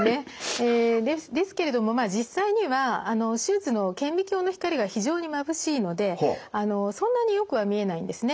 えですけれどもまあ実際には手術の顕微鏡の光が非常にまぶしいのでそんなによくは見えないんですね。